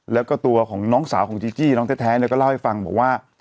แล้วก็ตัวของน้องสาวของจีจี้น้องแท้ก็เล่าให้ฟังบอกว่า